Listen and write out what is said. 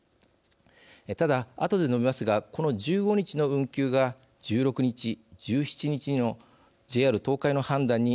ただあとで述べますがこの１５日の運休が１６日１７日のＪＲ東海の判断に影響することになります。